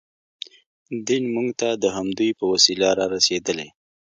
دین موږ ته د همدوی په وسیله رارسېدلی.